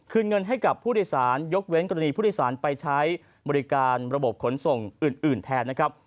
เงินให้กับผู้โดยสารยกเว้นกรณีผู้โดยสารไปใช้บริการระบบขนส่งอื่นแทนนะครับ